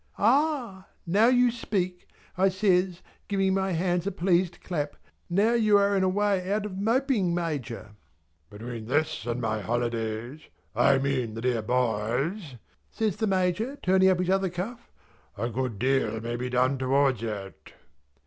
"Ah! Now you speak" I says giving my hands a pleased clap. "Now you are in a way out of moping Major!" "Between this and my holidays I mean the dear boy's" says the Major turning up his other cuff, "a good deal may be done towards it."